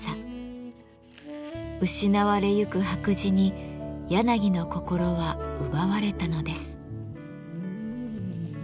失われゆく白磁に柳の心は奪われたのです。